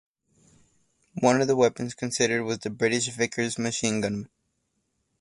One of the weapons considered was the British Vickers machine gun.